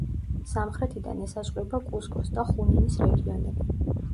სამხრეთიდან ესაზღვრება კუსკოს და ხუნინის რეგიონები.